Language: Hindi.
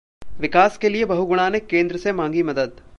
विकास के लिए बहुगुणा ने केंद्र से मांगी मदद